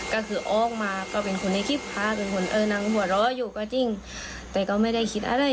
ก็คือออกมาก็เป็นคนในคลิปพระเป็นคนเออนางหัวเราะอยู่ก็จริงแต่ก็ไม่ได้คิดอะไร